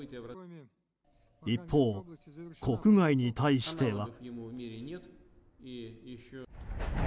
一方、国外に対しては。